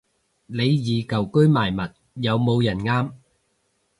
李怡舊居賣物，有冇人啱